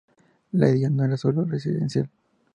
La idea no era sólo residencial.